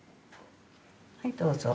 はいどうぞ。